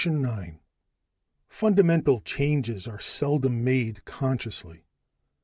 Fundamental changes are seldom made consciously.